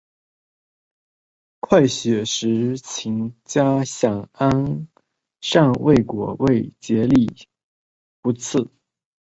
快雪时晴佳想安善未果为结力不次。